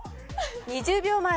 ２０秒前。